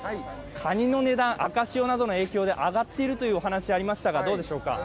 かにの値段、赤潮などの影響で上がっているということですがどうでしょうか？